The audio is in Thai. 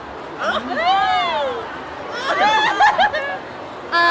กี่วัน